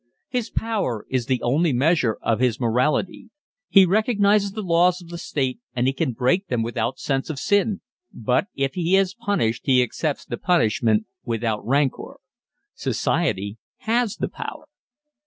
His power is the only measure of his morality. He recognises the laws of the state and he can break them without sense of sin, but if he is punished he accepts the punishment without rancour. Society has the power.